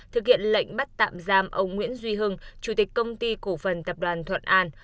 thực hiện lệnh bắt tạm giam ông nguyễn duy hưng chủ tịch công ty cổ phần tập đoàn thuận an